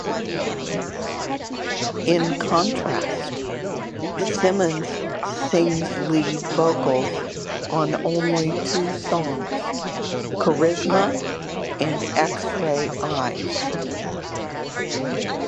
In contrast, Simmons sings lead vocals on only two songs: "Charisma" and "X-Ray Eyes".